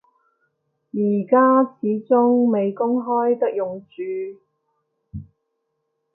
而家始終未公開得用住